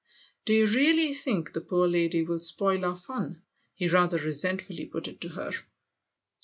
"Do you really think the poor lady will spoil our fun ?" he rather resentfully put it to her.